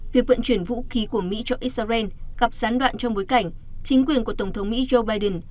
việc vận chuyển vũ khí của mỹ cho israel gặp gián đoạn trong bối cảnh chính quyền của tổng thống mỹ joe biden